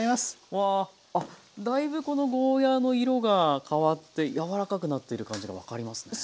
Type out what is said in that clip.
うわあっだいぶこのゴーヤーの色が変わって柔らかくなってる感じが分かりますね。